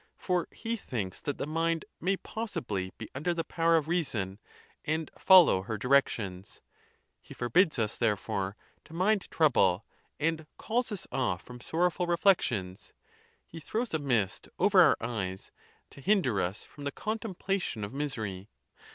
For he thinks that the mind may possibly be under the power of reason, and follow her directions: he forbids us, therefore, to mind trouble, and calls us off from sorrowful reflections ; he throws a mist over our eyes to hinder us from the contemplation of misery.